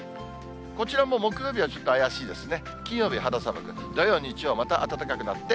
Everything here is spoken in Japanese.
こちらも木曜日はちょっと怪しいですね。